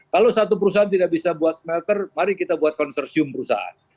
kalau satu perusahaan tidak bisa buat smelter mari kita buat konsorsium perusahaan